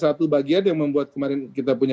satu bagian yang membuat kemarin kita punya